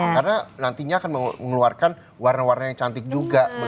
karena nantinya akan mengeluarkan warna warna yang cantik juga